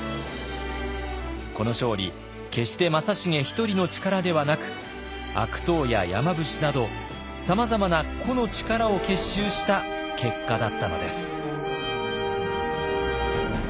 決して正成１人の力ではなく悪党や山伏などさまざまな個の力を結集した結果だったのです。